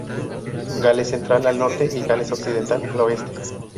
Gales Central al norte y Gales Occidental al oeste.